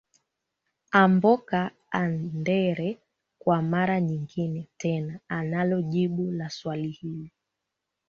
amboka andere kwa mara nyingine tena analo jibu la swali hili